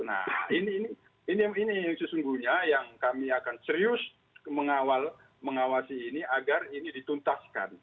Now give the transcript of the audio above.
nah ini yang sesungguhnya yang kami akan serius mengawasi ini agar ini dituntaskan